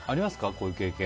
こういう経験。